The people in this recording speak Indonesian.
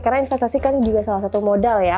karena investasi kan juga salah satu modal ya